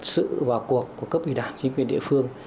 sự vào cuộc của cấp ủy đảng chính quyền địa phương